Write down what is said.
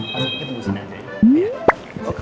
masa dikit tunggu di sini aja ya